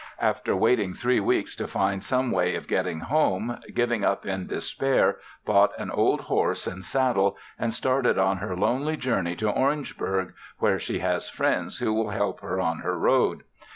After waiting three weeks to find some way of getting home, giving up in despair bought an old horse and saddle and started on her lonely journey to Orangeburg, where she has friends who will help her on her road.